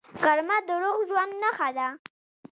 غرمه د روغ ژوند نښه ده